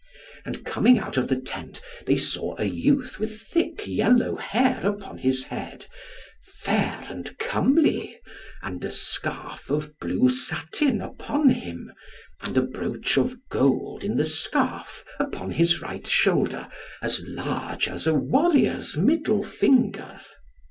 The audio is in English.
And coming out of the tent, they saw a youth with thick yellow hair upon his head, fair and comely, and a scarf of blue satin upon him, and a brooch of gold in the scarf upon his right shoulder as large as a warrior's middle finger.